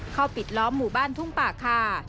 เข้าปิดล้อมหมู่บ้านทุ่งปากคา